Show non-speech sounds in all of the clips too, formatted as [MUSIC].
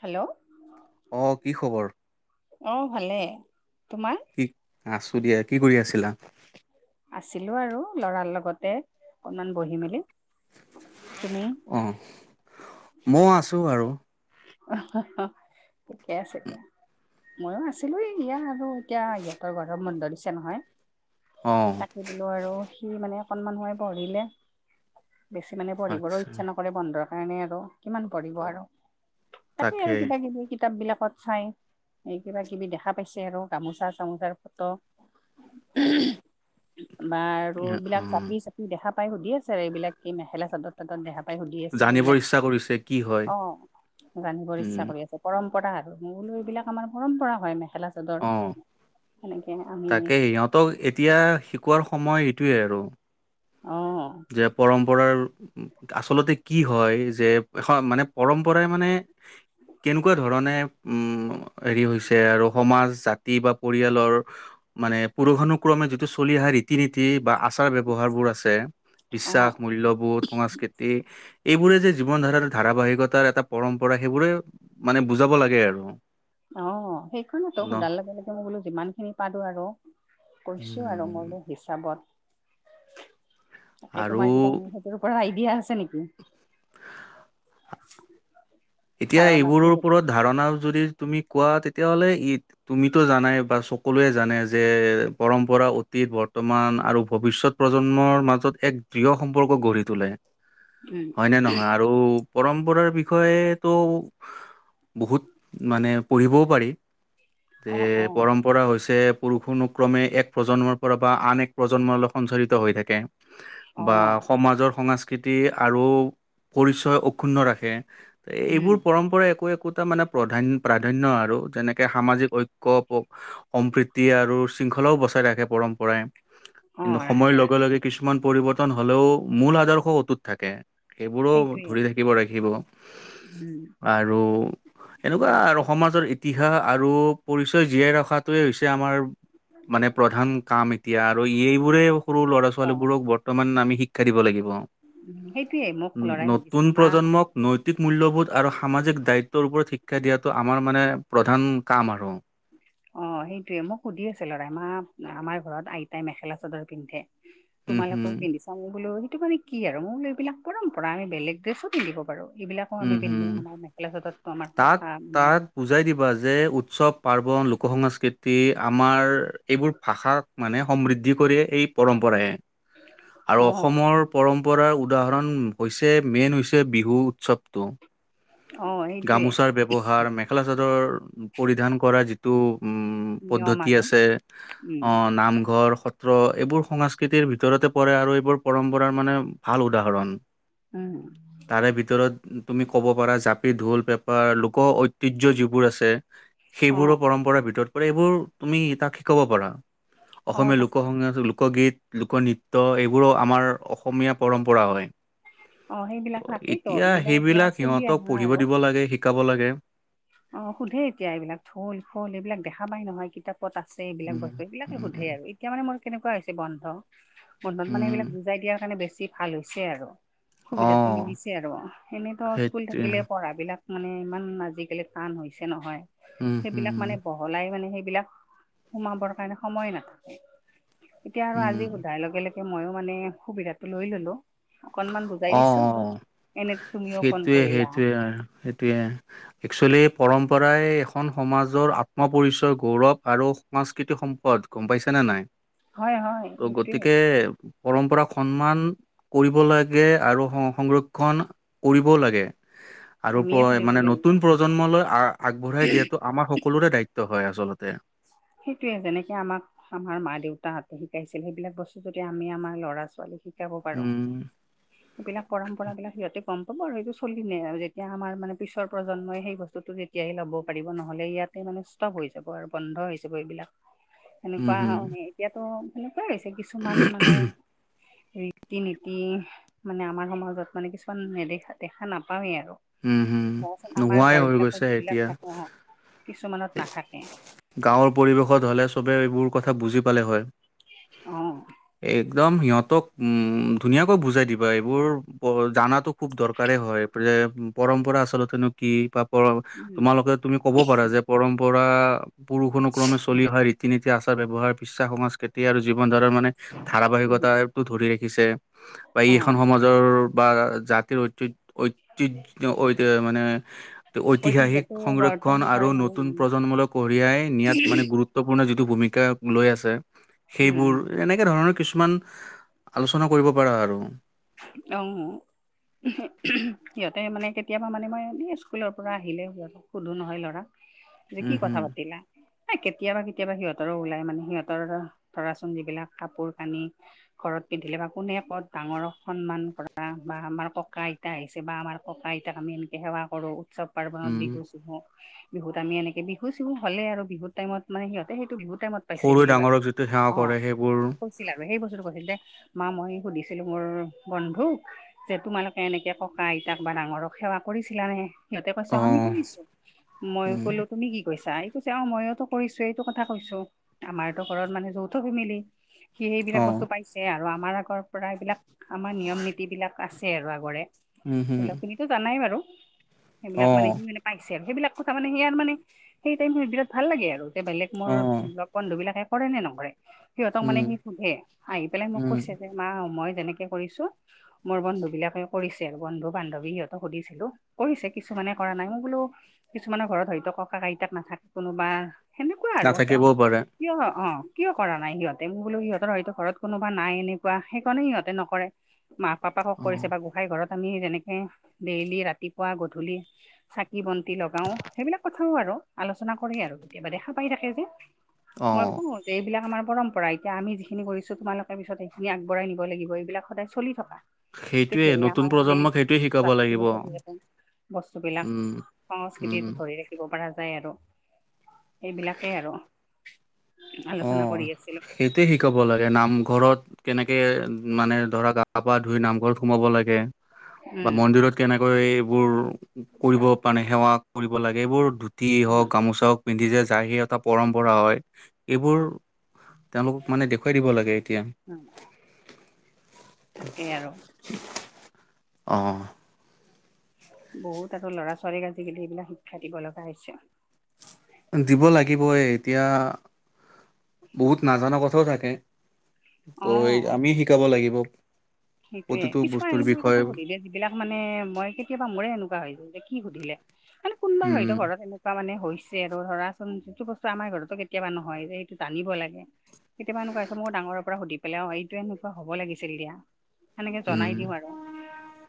Hello, অঁ কি খবৰ? অঁ ভালে তোমাৰ? কি আছোঁ দিয়া, কি কৰি আছিলা? আছিলো আৰু লৰাৰ লগতে অকনমান বহি মেলি। তুমি? অঁ, ম ও আছোঁ আৰু। অঁ, হ হ ঠিকে আছে এতিয়া। ময়ো আছিলো এই ইয়া আৰু এতিয়া ইহঁতৰ গৰম বন্ধ দিছে নহয়। অঁ, ৰিলো আৰু সি মানে অকনমান সময় পঢ়িলে, বেছি মানে পঢ়িবৰ আচ্ছা ইচ্ছা নক কৰি, বন্ধুৰ কাৰণে আৰ কিমান কৰিব আৰ তাকেই আৰু তাকে কিবা কিবি। কিতাপ বিলাকত চাই এই কিবা কিবি দেখা পাইছে আৰ গামোচা চামোচাৰ ফটো। [UNINTELLIGIBLE] বা আৰু অ এইবিলাক জাপি চা। দেখা পাই সুধি আছে আৰু এইবিলাক কি মেখেলা চাদত? তাতত দেখা পাই সুধি আছে জানিব এইবিলাক ইচ্ছা কৰিছে কি হয় অঁ, জানিবৰ উম ইচ্ছা কৰি আছে পৰম্পৰা আৰু ময় বোলো এইবিলাক আমাৰ পৰম্পৰা হয় মেখেলা। চাদৰ অ সেনেকে আমি ত এতিয়া শিকোৱাৰ সময় এইটোৱেই আৰু। অঁ যে পৰম্পৰাৰ আচলতে কি হয়, যে এখ মানে পৰম্পৰাই মানে কেনেকুৱা ধৰণে উম, হেৰি হৈছে আৰু সমাজ, জাতি বা পৰিয়ালৰ। মানে পুৰুষানুক্ৰমে যিটো চলি অহা ৰীতি নীতি বা আচাৰ ব্যৱহাৰ বোৰ আছে। অ বিশ্বাস, মূল্যবোধ, সংস্কৃতি। এইবোৰে যে জীৱন ধাৰাৰ ধাৰাবাহিকতাৰ এটা পৰম্পৰা সেইবোৰেই মানে বুজাব লাগে আৰু। অঁ, সেইখন তো ন সোধাল লগে লগে মই বোলো যিমান খিনি পাৰো আৰু। কৈছোঁ আৰু উম মই মোৰ হিচাপত। তাকে আৰু তোমাৰ কিবা সেইটোৰ পৰা আইডিয়া আছে নেকি? [INAUDIBLE] এতিয়া ধাৰণাটো এইবোৰৰ যদি ওপৰত ধাৰণা যদি তুমি কোৱা তেতিয়া হ'লে ঈদ তুমিতো জানাই বা সকলোৱে জানে যে, পৰম্পৰা অতীত, বৰ্তমান আৰু ভৱিষ্যত প্ৰজন্মৰ মাজত এক দৃঢ় সম্পৰ্ক গঢ়ি তোলে। উম হয় নে নহয়? আৰু পৰম্পৰাৰ বিষয়ে ত' বহুত মানে পঢ়িবও পাৰি। অ এ অ পৰম পৰা হৈছে, পুৰুষ অনুক্ৰমে এক প্ৰজন্মৰ পৰা বা আন এক প্ৰজন্মলৈ সঞ্চাৰিত হৈ থাকে। অ বা সমাজৰ সংস কৃতি আৰু পৰিচয় অক্ষুন্ন ৰাখে। এইবোৰ উম পৰম্পৰা একো একোটা মানে প্ৰাধান প্ৰাধান্য আৰু যেনেকে সামাজিক ঐ ক ব সম্প্ৰীতি আৰু শৃংখলাও বচাই ৰাখে পৰম্পৰায়। অ সময়ৰ ৰাখে লগে ৰাখে লগে কিছুমান পৰিৱৰ্তন হলেও মূল আদৰ্শ অটুত থাকে। সেইবোৰো সেইটোৱে ধৰি ৰাখিব, ৰাখিব। উম। আৰু এনেকুৱা আৰু সমাজত ইতিহাস আৰু পৰিচয় জীয়াই ৰখাত টোৱে হৈছে আমাৰ মানে প্ৰধান কাম এতিয়া আৰু এইবোৰে সৰু ল'ৰা অ ছোৱালীবোৰক বৰ্তমান আমি শিক্ষা দিব লাগিব। সেইটোয়ে মোক উ লৰাই সুধিছে নতুন মা প্ৰজন্মক নৈতিক মূল্যবোধ আৰু সামাজিক দায়িত্বৰ ওপৰত শিক্ষা দিয়াটো আমাৰ মানে প্ৰধান কাম আৰু। অ সেইটোয়ে মোক সুধি আছে লৰাই মা আমাৰ ঘৰত আইতাই মেখেলা চাদৰ পিন্ধে [INAUDIBLE] তোমালোকেও পিন্ধি বোলো সেইটো মানে কি আৰু মো বোলো এইবিলাক পৰম্পৰা আমি বেলেগ ড্ৰেছো পিন্ধিব পাৰো এইবিলা কো উম আমি হম পিন্ধো আমাৰ মেখেলা চাদৰতো আমাৰ তাক ককা মে তাক বুজাই দিবা যে উৎসৱ পাৰ্বণ, লোক সংস্কৃতি আমাৰ এইবোৰ ভাষা মানে সমৃদ্ধি কৰিয়ে এই পৰম্পৰাই। আৰু অ অসমৰ পৰম্পৰা উদাহৰণ হৈছে মেইন হৈছে বিহু উৎসৱ তো অ এ গামোচাৰ ব্যৱহাৰ মেখেলা চাদৰ পৰিধান কৰা যিটো উম উম নিয়ম পদ্বতি আৰু আছে উম অ নামঘৰ স ত্ৰ এইবোৰ সংস্কৃতিৰ ভিতৰতে পৰে আৰু এইবোৰ পৰম্পৰাৰ মানে ভাল উদাহৰণ উম তাৰে ভিতৰত তুমি ক'ব পাৰা জা ঢোল পেপা লোক ঐতিয্য যিবোৰ আছে অ সেইবোৰো পৰম্পৰাৰ ভিতৰত পৰে এইবোৰ তুমি তাক শিকাব পাৰা। অ অসমীয়া লোক তাকে সংগীত লোকগীত লোকনৃত্য এইবোৰো আমাৰ অসমীয়া পৰম্পৰা হয়। অ ত সেইবিলাক তাকেইতো সেইবিলাক এতিয়া চলি আহা আৰু থাকিব লাগে শিকাব লাগে অ সোধে এতিয়া এইবিলাক ঢোল খোল এইবিলাক দেখা পায় নহয় কিতাপ ত আছে এইবিলাক উম বস্তু এইবিলাকে সোধে উম আৰু এতিয়া মানে মোৰ কেনেকোৱা হৈছে বন্ধ বন্ধত মানে উম এইবিলাক বুজাই দিয়াৰ কাৰণে বেছি ভাল হৈছে আৰু সুবিধাতো অঁ মিলিছে আৰু এনেইতো স্কুল সেইটোৱে থাকিলে পঢ়া বিলাক মানে ইমান আজি কালি টান হৈছে নহয় উম সেইবিলাক হম মানে বৰ বহলাই মানে সেইবিলাক সোমাবৰ কাৰণে সময় নাথাকে এতিয়া আৰু উম আজি সোধাৰ লগে লগে মইও মানে সুবিধাটো লৈ ললো অকনমান ব অ অ সেইটোৱে কৰিলা সেইটোৱে অ সেইটোৱে একচুৱেলি পৰম্পৰাই এখন সমাজৰ আত্মপৰিচয়, গৌৰৱ আৰু সাংস্কৃতিক সম্পদ গম পাইছা নে নাই হয় হয় ত' সেইটোয়ে গতিকে পৰম্পৰাক সন্মান কৰিবলে লাগে আৰু সংৰক্ষণ কৰিব লাগে আৰু আমিয়ে কৰিব মানে লাগিব নতুন প্ৰজন্মলৈ আ আগবঢ়াই দিয়াটো আমাৰ সকলোৰে দায়িত্ব হয় আচলতে। সেইটোৱে যেনেকে আমাক আমাৰ মা দেউতাহতে শিকাইছিল সেইবিলাক বস্তু যদি আমি আমাৰ ল'ৰা ছোৱালীক শি কাব পাৰো উম, এইবিলাক পৰম্পৰাবিলাক সিহঁতে গম পাব আৰু এইটো চলিলে আৰু যেতিয়া আমাৰ মানে পিছৰ প্ৰজন্মই সেই বস্তুটো এতিয়াই ল'ব পাৰিব নহ'লে ইয়াতে মানে ষ্টপ হৈ যাব আৰু বন্ধ হৈ যাব এইবিলাক উম, সেনেকোৱা হুম, এতিয়াতো সেনেকোৱাই হৈছে কিছুমান মানে ৰীতি নীতি মানে আমাৰ সমাজত মানে কিছুমান নেদেখা দেখা নাপাওৱেই আৰু উম, হুম। তাৰপাছত আমাৰ নোহোৱাই ঘৰ হৈ বিলাকত গৈছে যিবিলাক এতিয়া থাকে অ কিছুমানত নাথাকে গাঁৱৰ পৰিৱেশত হ'লে চবে এইবোৰ কথা বুজি পালে হয় অ একদম সিহঁতক উম ধুনীয়াকৈ বুজাই দিবা এইবোৰ জানাতোক খুব দৰকাৰেই হয় প্ৰম পৰম্পৰা আচলতেনো কি পাপৰ উম তোমালোকে তুমি ক'ব পাৰা যে পৰম্পৰা পুৰুষ অনুক্ৰমে চলি ৰিতি নিতি আচাৰ ব্যৱহাৰ বিশ্বাস সংস্কৃতি আৰু জীৱন ধাৰা মানে উম ধাৰাবাহিকতাটো ধৰি ৰাখিছে বা অ এইখন সমাজৰ বা জাত ঐতিত ঐতিত ঐতে মানে ঐতিহাসিক ঐতিহ্যটো সংৰক্ষন বৰ্তন আৰু কৰে নতুন প্ৰজন্মূলক কঢ়িয়াই নিয়াত মানে গুৰুত্ব গুৰুত্বপূৰ্ণ যিটো ভূমিকা লৈ আছে উম সেইবোৰ উম এনেকে ধৰণৰ কিছুমান আলোচনা কৰিব পাৰা আৰু অ সিহঁতে মানে কেতিয়াবা মানে মই এনে স্কুলৰ পৰা আহিলেই সিহঁতক সুধো নহয় ল'ৰা যে কি উম কথা হম পাতিলা কেতিয়াবা কেতিয়াবা সিহতৰো ওলাই মানে সিহঁতৰ ধৰাচোন যিবিলাক কাপোৰ কানি ঘৰত পিন্ধিলে বা কোনে ক'ত ডাঙৰক সন্মান কৰা বা আমাৰ ককা আইতা আহিছে বা আমাৰ ককা আইতাক আমি এনেকে সেৱা কৰোঁ উৎসৱ পাৰ্বণত উম বিহু চিহু বিহুত আমি এনেকে বিহু চিহু হ'লে আৰু বিহু টাইমত মানে সিহঁতে সেইটো বিহু টাইমত পাইছিলো সৰুৱে ডাঙৰক যিটো সেৱা কৰে সেইবোৰ আছিল আৰু সেই বস্তুটো কৈছিল যে মা মই সুধিছিলো মোৰ বন্ধুক যে তোমালোকে এনেকে ককা আইতাক বা ডাঙৰক সেৱা কৰিছিলানে সিহঁতে কৈছা অ আমি কৰিছো মই উম কলো তুমি কি কৈছা আই কৈছে অ মইয়তো কৰিছো এইটো কথা কৈছো আমাৰতো ঘৰত মানে যৌথ ফেমিলি সি সেইবিলাক অ বস্তু পাইছে আৰু আমাৰ আগৰ পৰা এইবিলাক আমাৰ নিয়ম নীতি বিলাক আছে আৰু আগৰে উম হম সেইবিলাক খিনিতো জানাই বাৰু অ সেইবিলাক মানে সি মানে পাইছে আৰু সেইবিলাক কথা মানে সেয়াৰ মানে সেই টাইম বিৰাট ভাল লাগে আৰু তে বেলেগ মোৰ অ লগ বন্ধু বিলাকে কৰে নে নকৰে সিহঁতক মানে উম সি সুধে আহি পেলাই মোক উম কৈছে যে মা মই যেনেকে কৰিছো মোৰ বন্ধু বিলাকেও কৰিছে বন্ধু বান্ধৱী সিহঁতক সুধিছিলো কৰিছে কিছুমানে কৰা নাই মই বোলো কিছুমানৰ ঘৰত হয়তো ককা আইতাক নাথাকে কোনোবা সেনেকুৱা আৰু আছে অ নাথাকিবও পাৰে কিয় অ কিয় কৰা নাই সিহঁতে মই বোলো ইহতৰ হয়তো ঘৰত কোনোবা নাই এনেকুৱা সেইকাৰণে সিহঁতে নক কৰে মা পাপাকক অ কৰিছে বা গোসাই ঘৰত আমি যেনেকে ডেইলি ৰাতিপুৱা গধূলি চাকি বন্তি লগাও সেইবিলাক কথাও আৰু আলোচনা কৰে আৰু কেতিয়াবা দেখা পাই থাকে যে অ মই খু এইবিলাক আমাৰ পৰম্পৰা এতিয়া আমি যিখিনি কৰিছো তোমালোকে পিছত সেখিনি আগবঢ়াই নিব লাগিব এইবিলাক সদায় চলি থকা সেইটোৱে তেতিয়াহে নতুন আমাৰ মানে প্ৰজন্মক সেইটোৱে শিকাব লাগিব জাতিটোও চলি ৰাখিম উম বস্তুবিলাক উম সংস্কৃতিতো ধৰি ৰাখে দিব পৰা যায় আৰু এইবিলাকেই আৰু অ আলোচনা কৰি আছিলো সেইটোৱে শিকাব লাগে নামঘৰত কেনেকে মানে ধৰাক গা পা ধুই নামঘৰত সোমাব লাগে বা উম মন্দিৰত কেনেকৈ এইবোৰ কৰিব পানে সেৱা কৰিব লাগে এইবোৰ ধূতি উম হওঁক গামোচাও পিন্ধি যে যায় সেই এটা পৰম্পৰা হয় এইবোৰ তেওঁলোকক মানে দেখুৱাই দিব লাগে এতিয়া তাকেই আৰু অঁ বহুত আৰু ল'ৰা ছোৱালীক আজিকালি এইবিলাক শিক্ষা দিব লগা হৈছে দিব লাগিবই এতিয়া বহুত নাজানো কথাও থাকে। ত' এই আমি শিকাব লাগিব। সেইটোৱে প্ৰতিটো কিছুমান বস্তুৰ এনেকুৱা বিষয়ে কথা সুধিলে দে বিলাক মানে মই কেতিয়াবা মোৰে এনেকুৱা হৈ য যে কি সুধিলে মানে কোনবাৰ উম, হয়তো ঘৰত এনেক ট মানে হৈছে আৰু ধৰাচোন যিটো বস্তু আমাৰ ঘৰতো কেতিয়াবা নহয় যে এইটো জানিব লাগে। কেতিয়া এনেকুৱা আছে মোক ডাঙৰ পৰা সুধি পেলালে অ এইটো এনেকুৱা হব লাগিছিল দিয়া সেনেকে জনাই উম, দিও আৰু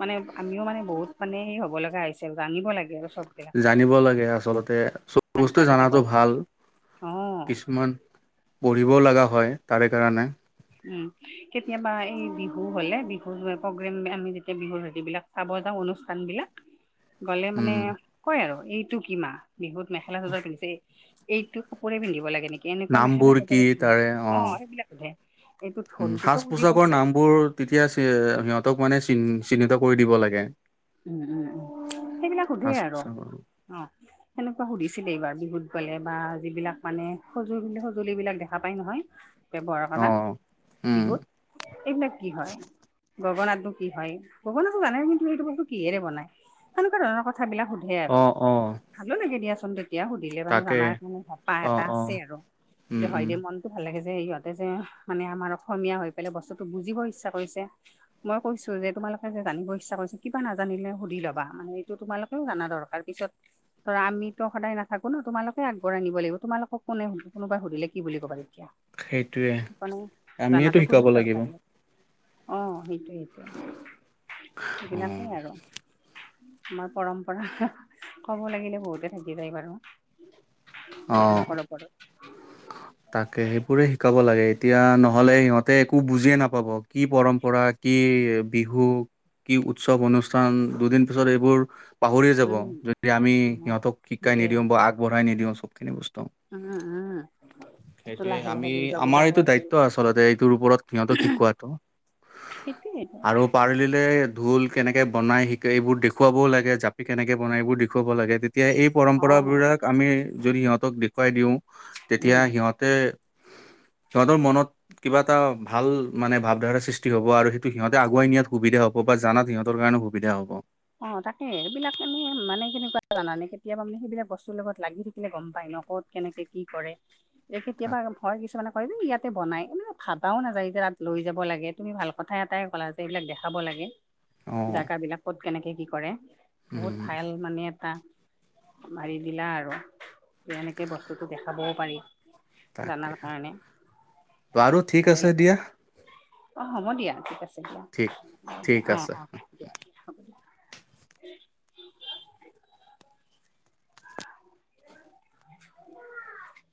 মানে আমিও মানে বহুত মানে স হ'ব লগা হৈছে জানিব লাগে আৰু চববিলাক কথা জানিব লাগে আচলতে চব বস্তুৱেই আগবাঢ়ি যাব জনাতো ভাল। কাৰণে অ কিছুমান পঢ়িব লগা হয় তাৰে কাৰণে উম কেতিয়াবা এই বিহু হলে বিহু প্ৰগ্ৰেম আমি যেতিয়া বিহুৰ হেতি বিলাক চাব যাওঁ অনুষ্ঠান বিলাক। উ গ'লে মানে কয় আৰু এইটো কি মাহ বিহুত মেখেলা চাদৰ কিনিছে এইটো কাপোৰে পিন্ধিব লাগে নেকি এনেকুৱা মেখেলা নামবোৰ চাদ কি চ তাৰে অ সেইবিলাক সোধে। এইটো ঢোলটোতো সাজ বুজি পোছাকৰ পাইছে নামবোৰ তেতিয়া সিহঁতক মানে চিহ্নিত কৰি দিব লাগে। উম উম উম সেইবিলাক সোধে সাজ আৰু পোছাকৰ অ সেনেকুৱা সুধিছিলে এইবাৰ বিহুত গলে বা যিবিলাক মানে সঁজু সঁজুলি বিলাক দেখা পাই নহয়। ব্যৱহাৰ অ কৰা উম বিহুত এইবিলাক কি হয়। গগনাতো কি হয় গগনা জানে কিন্তু সটো বস্তু কিহেৰে বনায় তেনেকুৱা ধৰণৰ কথা বিলাক সুধ সেয়ে আৰু অ অ ভালো লাগে দিয়াচোন। এতিয়া সুধিলে মানে তাকে জানাৰ মানে হেপা অ এটা অ আছে আৰু যে উম হয় উম দেউ মন ভাল লাগে যে ইহঁতে যে মানে আমাৰ অসমীয়া হৈ পেলাই বস্তুটো বুজিব ইচ্ছা কৰিছে। মই কৈছো যে তোমালোকে যে জানিব ইচ্ছা কৰিছা কা নাজানিলে সুধি ল'বা মানে এইটো তোমালোকেও জানা দৰকাৰ পিছত ত আমিতো সদায় নাথাকো ন তোমালোকে আগবঢ়াই নিব লাগিব তোমালোকক কোনে কোনোবাই সুধিলে কি বুলি ক'বা তেতিয়া সেইটোৱে মানে আমিয়েতো জনাটো শিকাব খুবেই লাগিব দৰকাৰী অ সেইটোৱে সেইটোৱে অ এইবিলাকেই আৰু আমাৰ পৰম্পৰা ক'ব লাগিলে বহুতে থাকি যায় বাৰু অ এইবিলাক ওপৰত পৰো তাকে সেইবোৰে শিকাব লাগে এতিয়া নহলে সিহঁতে একো বুজিয়ে নাপাব কি পৰম্পৰা কি বিহু কি উৎসৱ অনুষ্ঠান দুদিন পিছত এইবোৰ পাহৰিয়ে যাব উম যদি আমি অ সিহঁতক শিকাই সেইটোৱে নিদিও বা আগ বঢ়াই নিদিওঁ চবখিনি বস্তু উম উম তাৰপিছত সেইটোৱে লাহে লাহে আমি দুৰ্গা আমাৰ পূজাটো এইটো আহিল দায়িত্ব আচলতে এইটোৰ ওপৰত সিহঁতো শিকোৱাটো সেইটোৱে টো আৰু পাৰলিলে ঢোল কেনেকে বনায় শিকে এইবোৰ দেখুৱাবও লাগে জাপি কেনেকে বনায় এইবোৰ দেখুৱাব লাগে তেতিয়া এই অ পৰম্পৰা বিলাক আমি যদি সিহঁতক দেখুৱাই দিওঁ তেতিয়া উম সিহঁত তে সিহঁতৰ মনত কিবা এটা ভাল মানে ভাৱধাৰা সৃষ্টি হ'ব আৰু সেইটো সিহঁতে আগুৱাই নিয়াত সুবিধা হ'ব বা জানাত সিহঁতৰ কাৰণে সুবিধা হ'ব অ তাকে সেইবিলাক এনে মানে কেনেকুৱা জানে কেতিয়াবা মানে সেইবিলাক বস্তুৰ লগত লাগি থাকিলে গম পায় ন ক'ত কেনেকে কি কৰে এই কেতিয়াবা তাক হয় কিছুমানে হয় যে ইয়াতে বনাই এনে ভাবাও নাযায় যে তাত লৈ যাব লাগে তুমি ভাল কথা এটাই ক'লা। সেই বিলাক দেখাব লাগে অ জগ বিলাক ক'ত কেনেকে কি কৰে বহুত উম ভাল। মানে এটা মাৰি দিলা আৰু যে এনেকৈ বস্তুটো দেখাবও পাৰি। তাকে জানাৰ কাৰণে বাৰু ঠিক আছে দিয়া অ হ'ব দিয়া ঠিক আছে। দিয়া ঠিক অ ঠিক দিয়া অ আছে অ হব দিয়া। [UNINTELLIGIBLE]